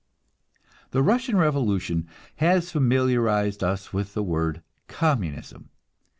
The Russian revolution has familiarized us with the word Communism.